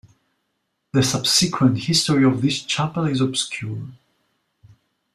The subsequent history of this chapel is obscure.